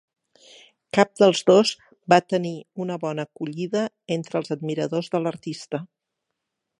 Cap dels dos va tenir una bona acollida entre els admiradors de l'artista.